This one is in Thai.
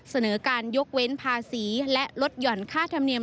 เสนอการยกเว้นภาษีและลดหย่อนค่าธรรมเนียม